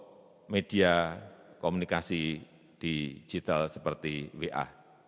untuk media komunikasi digital seperti wa